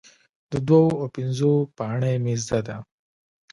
د دوو او پنځو پاړۍ مې زده ده،